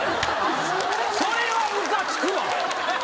それはムカつくわ。